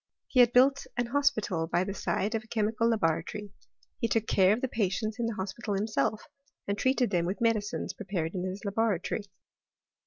He had built an hospital by the side of a chemical laboratory : he took care of the patients in the hospital himself; and treated them with medicines prepared in his laboratory.